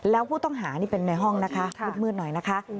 แล้วผู้ต้องหานี่เป็นในห้องนะคะมืดหน่อยนะคะ